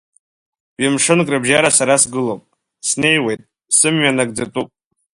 Ҩымшынк рыбжьара сара сгылоуп, снеиуеит, сымҩа нагӡатәуп.